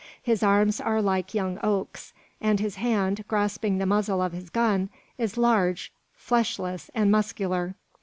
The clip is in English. His arms are like young oaks, and his hand, grasping the muzzle of his gun, is large, fleshless, and muscular.